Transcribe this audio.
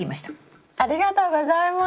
ありがとうございます。